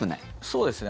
そうですね。